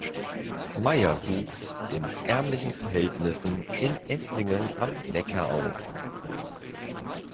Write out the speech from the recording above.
Mayer wuchs in ärmlichen Verhältnissen in Esslingen am Neckar auf.